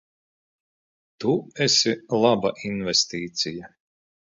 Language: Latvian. Tu esi laba investīcija.